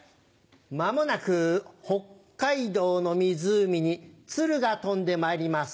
まもなく北海道の湖にツルが飛んでまいります。